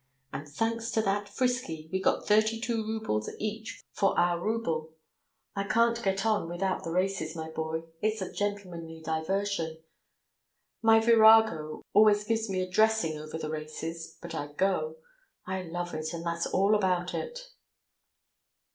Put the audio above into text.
And, thanks to that Frisky, we got thirty two roubles each for our rouble. I can't get on without the races, my boy. It's a gentlemanly diversion. My virago always gives me a dressing over the races, but I go. I love it, and that's all about it."